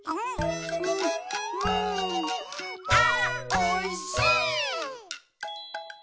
「あーおいしい！」